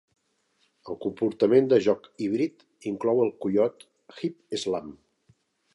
El comportament de joc híbrid inclou el coiot "hip-slam".